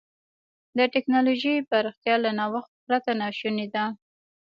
د ټکنالوجۍ پراختیا له نوښت پرته ناشونې ده.